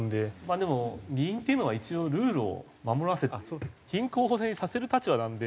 でも議員っていうのは一応ルールを守らせて品行方正にさせる立場なので。